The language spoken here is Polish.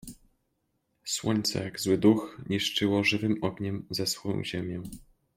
Słońce, jak zły duch, niszczyło żywym ogniem zeschłą ziemię.